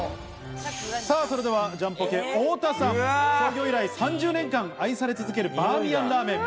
それではジャンポケ・太田さん、創業以来３０年間愛され続けるバーミヤンラーメン。